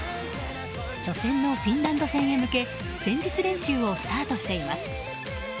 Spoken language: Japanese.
初戦のフィンランド戦へ向け前日練習をスタートしています。